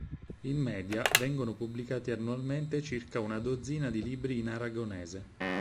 In media, vengono pubblicati annualmente circa una dozzina di libri in aragonese.